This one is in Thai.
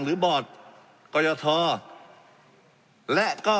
ในการที่จะระบายยาง